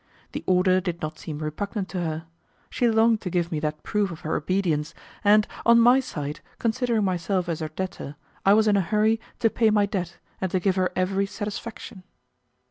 The order did not seem repugnant to her; she longed to give me that proof of her obedience, and, on my side, considering myself as her debtor, I was in a hurry to pay my debt and to give her every satisfaction.